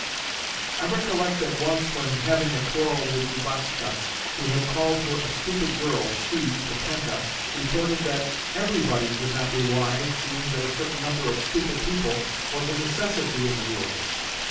I recollect that once, when having a quarrel with Lubotshka, who had called her "a stupid girl," she (Katenka) retorted that everybody could not be wise, seeing that a certain number of stupid people was a necessity in the world.